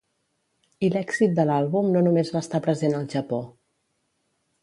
I l'èxit de l'àlbum no només va estar present al Japó.